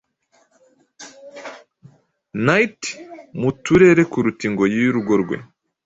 Knight mu turerekuruta ingoyi yurugo rwe